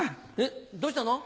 どうしたの？